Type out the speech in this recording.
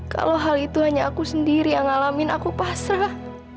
kalau hal itu hanya aku sendiri yang ngalamin aku pasrah